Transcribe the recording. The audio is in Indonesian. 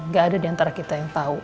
gak ada diantara kita yang tau